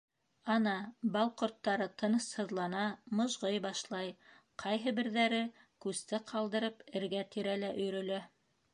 Ана, бал ҡорттары тынысһыҙлана, мыжғый башлай, ҡайһы берҙәре, күсте ҡалдырып, эргә-тирәлә өйөрөлә.